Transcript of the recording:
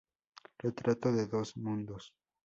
Retrato de dos mundos.